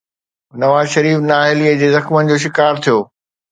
نواز شريف نااهليءَ جي زخمن جو شڪار ٿيو.